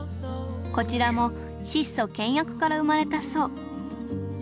こちらも質素倹約から生まれたそう。